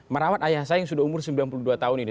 merawat ayah saya yang sudah umur sembilan puluh dua tahun ini